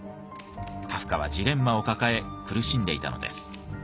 カフカはジレンマを抱え苦しんでいたのです。